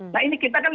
nah ini kita kan